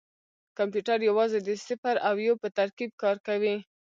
کمپیوټر یوازې د صفر او یو په ترکیب کار کوي.